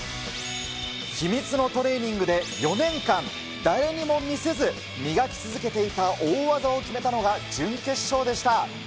秘密のトレーニングで４年間、誰にも見せず磨き続けていた大技を決めたのが、準決勝でした。